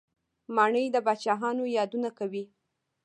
ماڼۍ د پاچاهانو یادونه کوي.